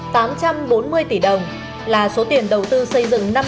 tám trăm bốn mươi tỷ đồng là số tiền đầu tư xây dựng năm mươi trạm bot